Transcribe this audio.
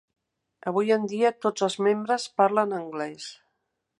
Avui en dia tots els membres parlen anglès.